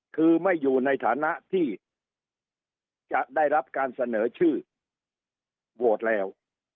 คือไม่อยู่ในฐานะที่จะได้รับการเสนอชื่อโหวตแล้ว